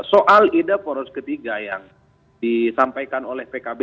soal ide poros ketiga yang disampaikan oleh pkb